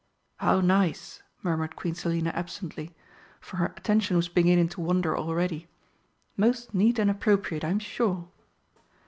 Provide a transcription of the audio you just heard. "How nice!" murmured Queen Selina absently, for her attention was beginning to wander already. "Most neat and appropriate, I'm sure."